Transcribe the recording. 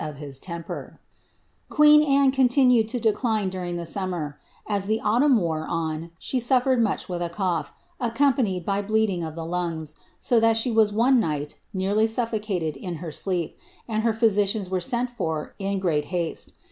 357 Queen Anne continued to decline during the summer : as the autumn wore on, she suffered much with a cough, accompanied by bleeding of the lungs, so that she was one night nearly suflbcated in her sleep, and her physicians were sent for in great haste.